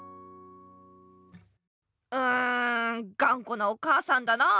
うんがんこなお母さんだなあ。